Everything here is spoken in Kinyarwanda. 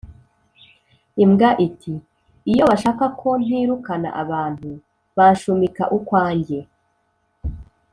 imbwa iti ” iyo bashaka ko ntirukana abantu, banshumika ukwanjye,